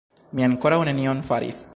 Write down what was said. Mi ankoraŭ nenion faris